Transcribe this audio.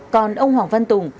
còn ông hoàng văn tùng